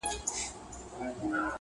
په شپږمه ورځ نجلۍ نه مري نه هم ښه کيږي.